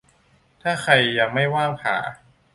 ถ้าใครยังไม่ว่างผ่า